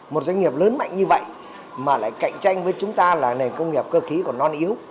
một doanh nghiệp lớn mạnh như vậy mà lại cạnh tranh với chúng ta là nền công nghiệp cơ khí còn non yếu